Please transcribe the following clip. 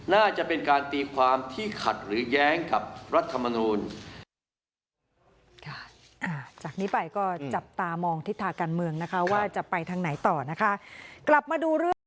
น่าจะเป็นการตีความที่ขัดหรือแย้งกับรัฐมนูล